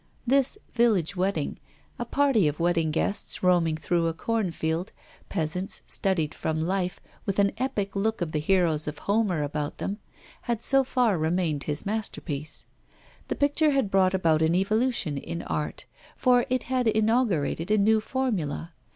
This 'Village Wedding' a party of wedding guests roaming through a corn field, peasants studied from life, with an epic look of the heroes of Homer about them had so far remained his masterpiece. The picture had brought about an evolution in art, for it had inaugurated a new formula.